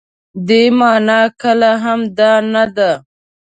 دې مانا کله هم دا نه ده.